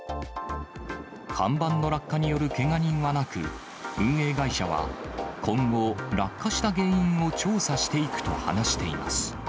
看板の落下によるけが人はなく、運営会社は、今後、落下した原因を調査していくと話しています。